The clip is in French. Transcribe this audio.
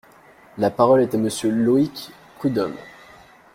La parole est à Monsieur Loïc Prud’homme.